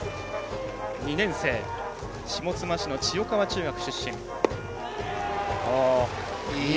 ２年生、下妻市の千代川中学出身。